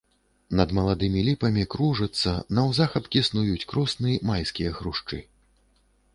Над маладымі ліпамі кружацца, наўзахапкі снуюць кросны майскія хрушчы.